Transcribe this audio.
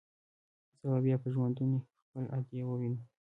زه به بيا په ژوندوني خپله ادې ووينم.